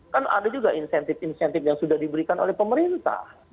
kan ada juga insentif insentif yang sudah diberikan oleh pemerintah